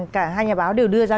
cả hai nhà báo đều đưa ra